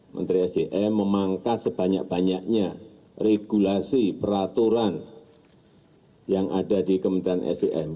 menteri sdm memangkas sebanyak banyaknya regulasi peraturan yang ada di kementerian sdm